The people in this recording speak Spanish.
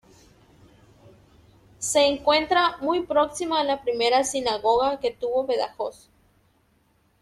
Se encuentra muy próxima a la primera sinagoga que tuvo Badajoz.